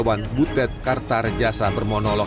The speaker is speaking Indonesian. dan di latar belakang dari ppp